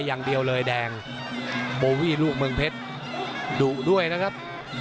อย่างเดียวเลยแดงโบวี่ลูกเมืองเพชรดุด้วยนะครับ